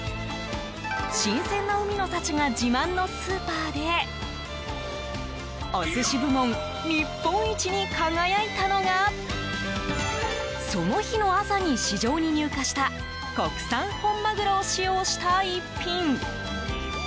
新鮮な海の幸が自慢のスーパーでお寿司部門日本一に輝いたのがその日の朝に、市場に入荷した国産本マグロを使用した逸品。